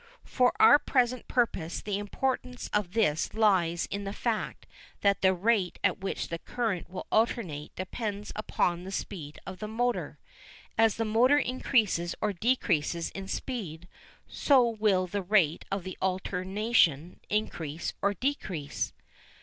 For our present purpose the importance of this lies in the fact that the rate at which that current will alternate depends upon the speed of the motor. As the motor increases or decreases in speed, so will the rate of alternation increase or decrease.